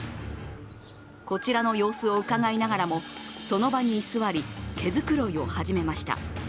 こちらの様子をうかがいながらもその場に居座り、毛づくろいを始めました。